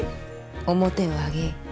面を上げい。